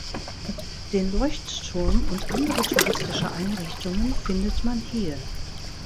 Den Leuchtturm und andere touristische Einrichtungen findet man hier.